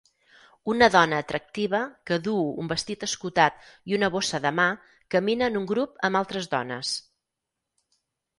Una dona atractiva que duu un vestit escotat i una bossa de mà camina en un grup amb altres dones